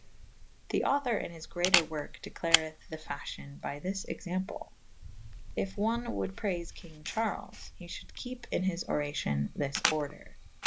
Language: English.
[C ii b] The author in his greater worke declareth the fafhyon by this example. If one wolde praife kynge Charles / he fhulde kepe in his oracyon this order.